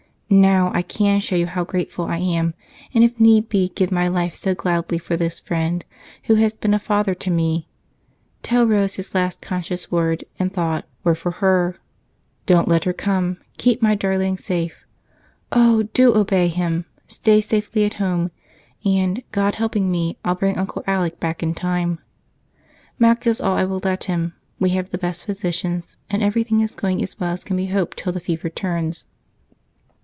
Now I can show you how grateful I am, and if need be give my life so gladly for this friend who has been a father to me. Tell Rose his last conscious word and thought were for her. "Don't let her come; keep my darling safe." Oh, do obey him! Stay safely at home and, God helping me, I'll bring Uncle Alec back in time. Mac does all I will let him. We have the best physicians, and everything is going as well as can be hoped till the fever turns.